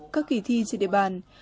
các kỳ thi trên địa bàn